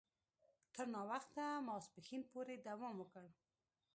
تر ناوخته ماپښین پوري دوام وکړ.